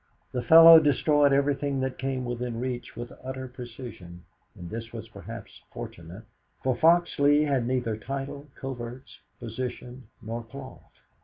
The fellow destroyed everything that came within reach with utter precision, and this was perhaps fortunate, for Foxleigh had neither title, coverts, position, nor cloth!